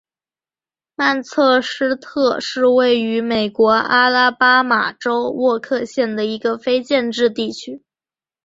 曼彻斯特是位于美国阿拉巴马州沃克县的一个非建制地区。